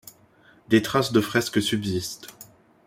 Des traces de fresques subsistent.